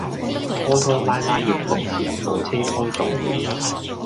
拖拖拉拉約六時火車開動了